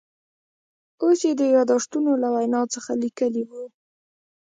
اوس یې د یاداشتونو له وینا څخه لیکلي و.